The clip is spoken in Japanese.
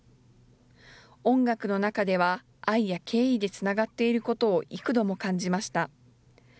音楽の中では愛や敬意でつながっていることを幾度も感じました。